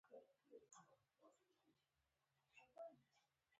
مرکزي بانک بازار ته ډالر وړاندې کوي.